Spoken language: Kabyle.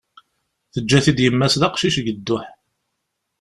Teǧǧa-t-id yemma-s d aqcic deg dduḥ.